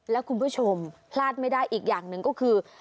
แล้วคุณผู้ชมพลาดไม่ได้อีกอย่างหนึ่งก็คือ